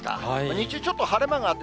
日中、ちょっと晴れ間があって、